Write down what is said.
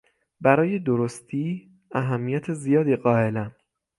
برای درستی اهمیت زیادی قایلم.